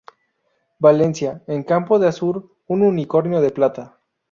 Valencia: En campo de azur, un unicornio de plata.